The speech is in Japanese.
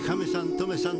トメさん